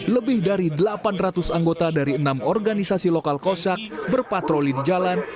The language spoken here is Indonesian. lebih dari delapan ratus anggota dari enam organisasi lokal kosak berpatroli di jalan